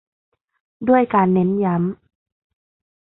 ด้วยการเน้นย้ำ